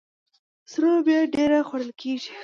سره لوبیا ډیره خوړل کیږي.